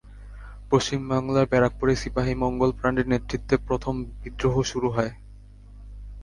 পশ্চিম বাংলার ব্যারাকপুরে সিপাহি মঙ্গল পাণ্ডের নেতৃত্ব প্রথম বিদ্রোহ শুরু হয়।